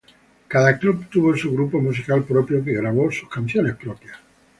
Cada club tuvo su grupo musical propio que grabó sus canciones propias.